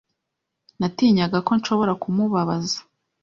Natinyaga ko nshobora kumubabaza.